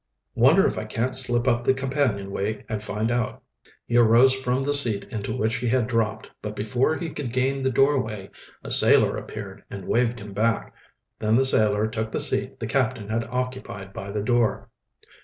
"Wonder if I can't slip up the companion way and find out?" He arose from the seat into which he had dropped, but before he could gain the doorway a sailor appeared and waved him back. Then the sailor took the seat the captain had occupied by the door.